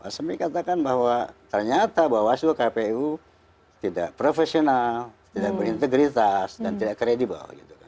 pak semih katakan bahwa ternyata bawasuh kpu tidak profesional tidak berintegritas dan tidak kredibel gitu kan